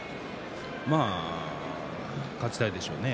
まあ勝ちたいでしょうね